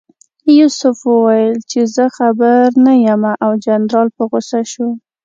یوسف وویل چې زه خبر نه یم او جنرال په غوسه شو.